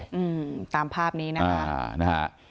ประมาณนี้นะครับ